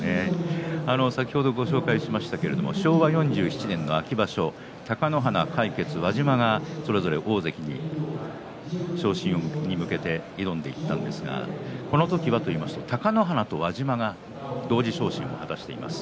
先ほどご紹介しましたが昭和４７年の秋場所貴ノ花、魁傑、輪島がそれぞれ大関の昇進に向けて挑んでいったんですがこの時は貴ノ花と輪島が同時昇進を果たしています。